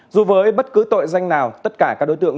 dù với bất cứ tội danh nào tất cả các đối tượng